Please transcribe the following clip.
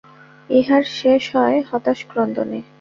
ইহার শেষ হয় হতাশ ক্রন্দনে।